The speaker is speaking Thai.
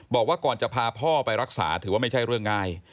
บอกว่าก่อนจะพาพ่อไปรักษาถือว่าไม่ใช่เรื่องง่าย